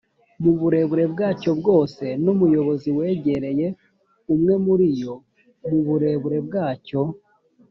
mu burebure bwacyo bwose n umuyobozi wegereye umwe muri yo mu burebure bwacyo